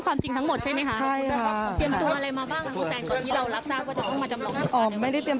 ขออนุญาตนะครับ